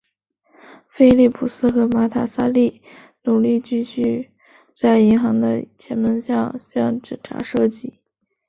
菲利普斯和马塔萨利努继续在银行的前门向警察射击。